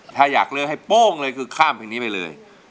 ถ้าอยากเลือกให้โป้งเลยคือข้ามเพลงนี้ไปเลย